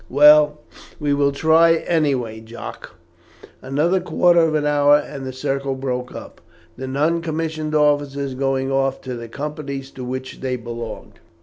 "Well, we will try anyhow, Jacques." Another quarter of an hour and the circle broke up, the non commissioned officers going off to the companies to which they belonged.